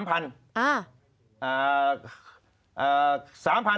อ่า